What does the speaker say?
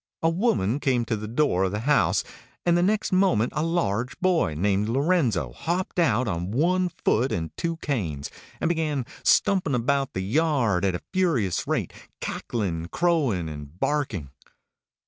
A woman came to the door of the house, and the next moment a large boy, named Lorenzo, hopped out on one foot and two canes, and began stumping about the yard at a furious rate, cackling, crowing, and barking.